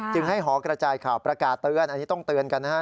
ให้หอกระจายข่าวประกาศเตือนอันนี้ต้องเตือนกันนะฮะ